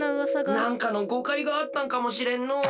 なんかのごかいがあったんかもしれんのう。